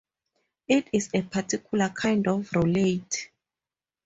It is a particular kind of roulette.